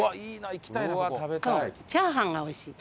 チャーハンがおいしい。